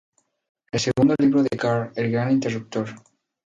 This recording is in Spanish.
El segundo libro de Carr, El gran interruptor.